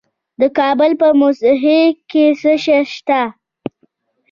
د کابل په موسهي کې څه شی شته؟